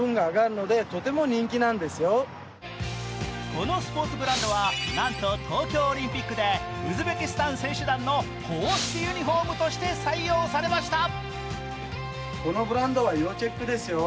このスポーツブランドはなんと東京オリンピックでウズベキスタン選手団の公式ユニフォームとして採用されました。